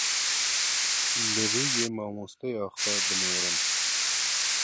Li rûyê mamosteya xwe binêrin.